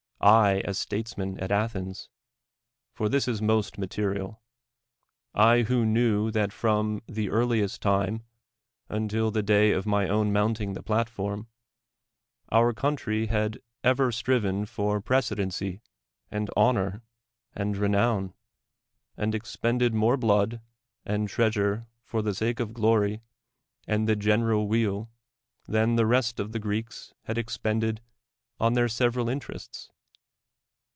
— I, a statesman at Athens? — for this is most material — I Avho knew tliat from the earliest time until the day of my own mounting the platform, our country had ever striven for precedency and honor and re nown, and expended more blood and treasure for the sake of glory and the general weal than th(> rest of the Greeks had expended on their several interests?